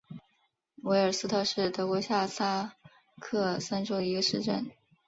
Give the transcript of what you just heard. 维尔斯特是德国下萨克森州的一个市镇。